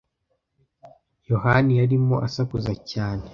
Yohani yarimo asakuza cyane.